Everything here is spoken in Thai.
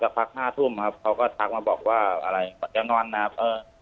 พักห้าทุ่มครับเขาก็ทักมาบอกว่าอะไรบอกจะนอนนะครับเออ